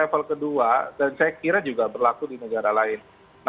nah level kedua saya kira adalah komitmen bersama dan berkomitmen bersama dan berkomitmen bersama